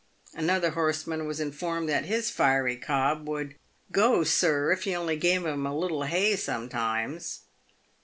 Another horseman was informed that his fiery cob would " go, sir, if he only gave him a little hay sometimes."